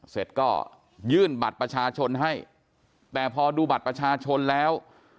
เสร็จก็ยื่นบัตรประชาชนให้แต่พอดูบัตรประชาชนแล้ว